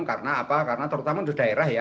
karena apa karena terutama untuk daerah ya